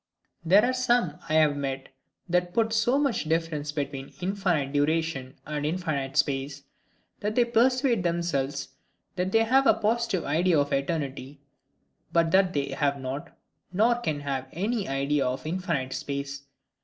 There are some I have met that put so much difference between infinite duration and infinite space, that they persuade themselves that they have a positive idea of eternity, but that they have not, nor can have any idea of infinite space.